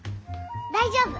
大丈夫。